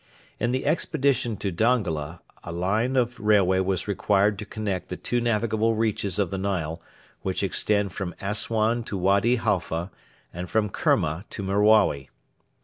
In the expedition to Dongola a line of railway was required to connect the two navigable reaches of the Nile which extend from Assuan to Wady Halfa, and from Kerma to Merawi.